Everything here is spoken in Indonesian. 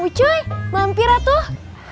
bu cuy mampir lah tuh